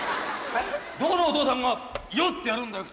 どこのお父さんが「よっ」ってやるんだよ